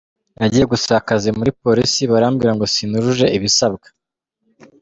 Nagiye gusaba akazi muri Polisi barambwira ngo sinujuje ibisabwa.